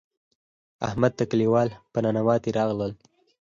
احمد ته کلیوال په ننواتې راغلل.